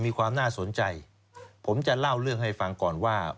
มีความน่าสนใจผมจะเล่าเรื่องให้ฟังก่อนว่า